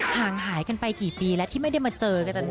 ห่างหายกันไปกี่ปีแล้วที่ไม่ได้มาเจอกันตอนนี้